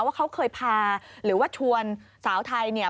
ว่าเขาเคยพาหรือว่าชวนสาวไทยเนี่ย